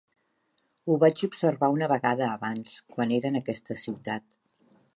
Ho vaig observar una vegada abans, quan era en aquesta ciutat.